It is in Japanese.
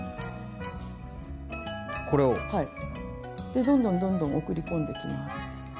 でどんどんどんどん送り込んでいきます。